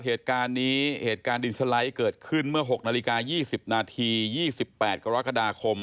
เหตุการณ์นี้เหตุการณ์ดินสไลด์เกิดขึ้นเมื่อ๖นาฬิกา๒๐นาที๒๘กรกฎาคม